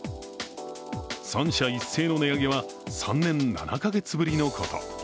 ３社一斉の値上げは３年７か月ぶりのこと。